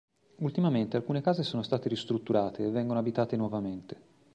Ultimamente alcune case sono state ristrutturate e vengono abitate nuovamente.